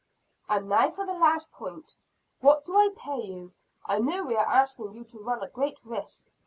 "And now for the last point what do I pay you? I know we are asking you to run a great risk.